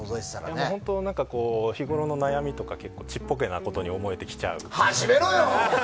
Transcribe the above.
日ごろの悩みとか結構ちっぽけなことに思えてきちゃう。